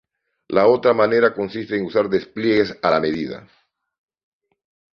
La otra manera consiste en usar despliegues a la medida.